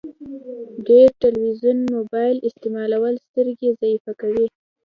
ډير تلويزون مبايل استعمالول سترګي ضعیفه کوی